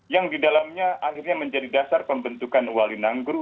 yang didalamnya akhirnya menjadi dasar pembentukan wali nangguru